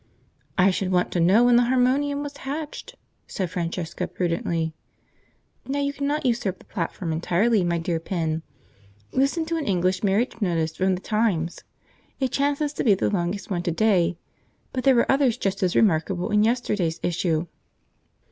"I should want to know when the harmonium was hatched," said Francesca prudently. "Now you cannot usurp the platform entirely, my dear Pen. Listen to an English marriage notice from the Times. It chances to be the longest one to day, but there were others just as remarkable in yesterday's issue.